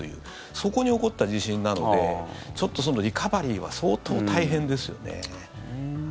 そこに起こった地震なのでちょっとそのリカバリーは相当大変ですよね。